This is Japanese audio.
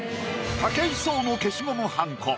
武井壮の消しゴムはんこ